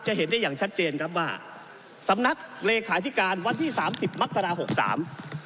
เห็นได้อย่างชัดเจนครับว่าสำนักเลขาธิการวันที่สามสิบมกราหกสาม